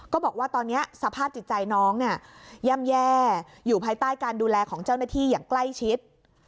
บอกว่าตอนนี้สภาพจิตใจน้องเนี่ยย่ำแย่อยู่ภายใต้การดูแลของเจ้าหน้าที่อย่างใกล้ชิด